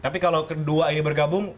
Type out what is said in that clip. tapi kalau kedua ini bergabung